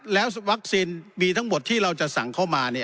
แล้ววัคซีนมีทั้งหมดที่เราจะสั่งเข้ามา